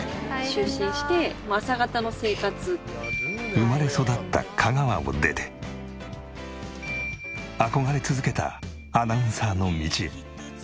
生まれ育った香川を出て憧れ続けたアナウンサーの道へ。